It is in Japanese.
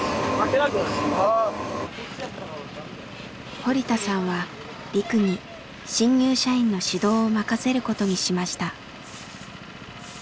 堀田さんはリクに新入社員の指導を任せることにしました。